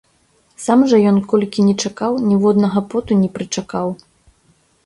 Сам жа ён, колькі ні чакаў, ніводнага поту не прычакаў.